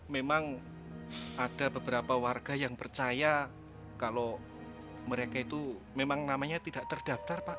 memang ada beberapa warga yang percaya kalau mereka itu memang namanya tidak terdaftar pak